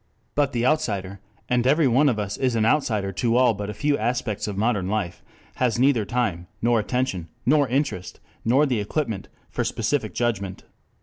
But the outsider, and every one of us is an outsider to all but a few aspects of modern life, has neither time, nor attention, nor interest, nor the equipment for specific judgment.